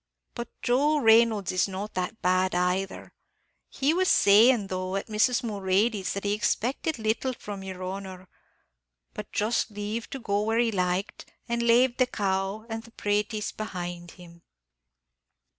But Joe Reynolds is not that bad either: he was sayin' tho' at Mrs. Mulready's that he expected little from yer honor, but just leave to go where he liked, and lave the cow and the praties behind him."